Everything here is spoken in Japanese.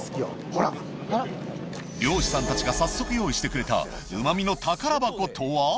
ほら漁師さんたちが早速用意してくれた旨味の宝箱とは？